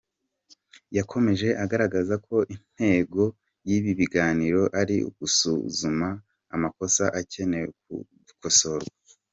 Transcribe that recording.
Yakomeje agaragaza ko intego y’ibi biganiro ari ugusuzuma amakosa akeneye gukosorwa.